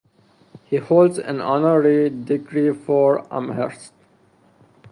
He holds an honorary degree from Amherst.